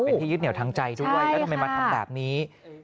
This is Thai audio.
เป็นที่ยึดเหนียวทางใจด้วยแล้วทำไมมาทำแบบนี้